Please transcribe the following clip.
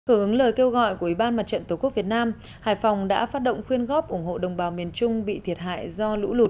hưởng ứng lời kêu gọi của ủy ban mặt trận tổ quốc việt nam hải phòng đã phát động quyên góp ủng hộ đồng bào miền trung bị thiệt hại do lũ lụt